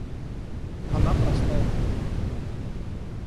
Она простая клетка.